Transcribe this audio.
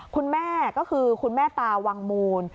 คุณแม่ก็คือคุณแม่ตาวังมูล